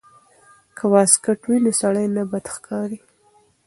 که واسکټ وي نو سړی نه بد ښکاریږي.